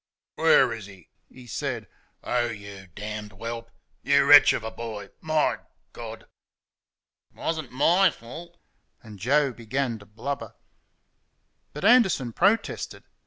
"Where is he?" he said. "Oh, you d d whelp! You wretch of a boy! MY God!" "'Twasn' MY fault." And Joe began to blubber. But Anderson protested.